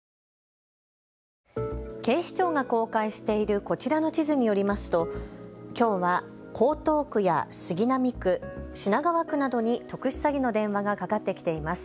警視庁が公開しているこちらの地図によりますときょうは江東区や杉並区、品川区などに特殊詐欺の電話がかかってきています。